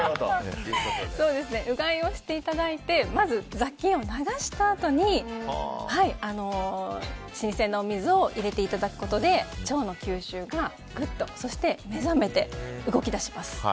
うがいをしていただいてまず、雑菌を流したあとに新鮮なお水を入れていただくことで腸の吸収がグッとそして目覚めて動き出します。